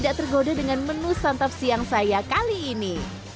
tidak tergoda dengan menu santap siang saya kali ini